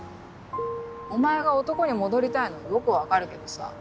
お前が男に戻りたいのはよく分かるけどさ